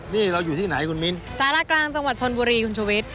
นี่เราอยู่ที่ไหนคุณมิ้นสารกลางจังหวัดชนบุรีคุณชุวิต